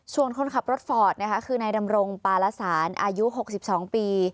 ส่วนคนขับรถฟอร์ดนะคะคือนายดำรงปาละสารอายุ๖๒ปี